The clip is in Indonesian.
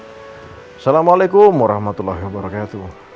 assalamualaikum warahmatullahi wabarakatuh